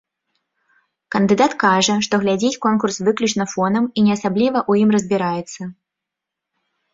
Кандыдат кажа, што глядзіць конкурс выключна фонам і не асабліва ў ім разбіраецца.